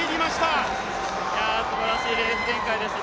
すばらしいレース展開でした。